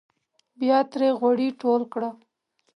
بیا ترې غوړي ټول کړو.